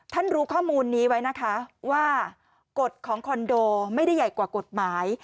รู้ข้อมูลนี้ไว้นะคะว่ากฎของคอนโดไม่ได้ใหญ่กว่ากฎหมาย